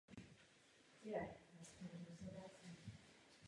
Někomu, kdo ukradl kolo, nezakazujeme používat silnice.